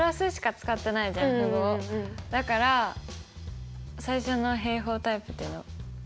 だから最初の平方タイプっていうの？